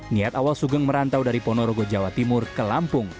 niat awal sugeng merantau dari ponorogo jawa timur ke lampung